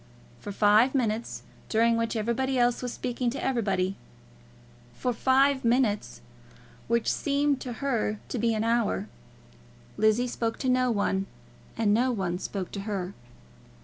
For five minutes, during which everybody else was speaking to everybody, for five minutes, which seemed to her to be an hour, Lizzie spoke to no one, and no one spoke to her.